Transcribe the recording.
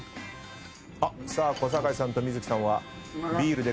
さあ小堺さんと観月さんはビールで乾杯です。